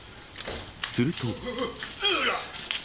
すると。